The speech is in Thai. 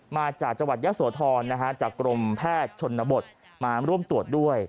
มาจากจังหวัดยะโสธรจากกรมแพทย์ชนบทมาร่วมตรวจด้วย